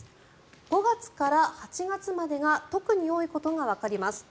５月から８月までが特に多いことがわかります。